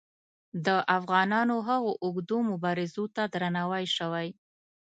د افغانانو هغو اوږدو مبارزو ته درناوی شوی.